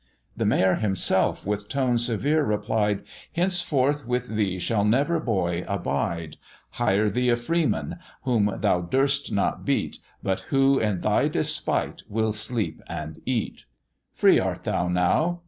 The mayor himself with tone severe replied, "Henceforth with thee shall never boy abide; Hire thee a freeman, whom thou durst not beat, But who, in thy despite, will sleep and eat: Free thou art now!